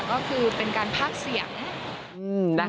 ก็คือเป็นการภาคเสียง